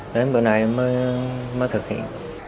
đến bữa này mới thực hiện